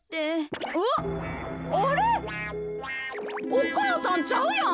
お母さんちゃうやん。